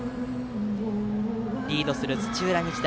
リードする土浦日大。